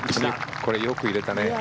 これ、よく入れたね。